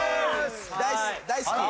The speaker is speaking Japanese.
大好き。